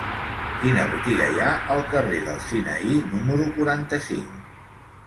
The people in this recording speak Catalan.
Quina botiga hi ha al carrer del Sinaí número quaranta-cinc?